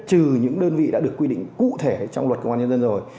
trừ những đơn vị đã được quy định cụ thể trong luật công an nhân dân rồi